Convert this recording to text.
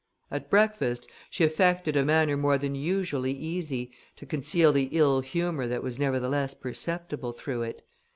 At breakfast, she affected a manner more than usually easy, to conceal the ill humour which was nevertheless perceptible through it.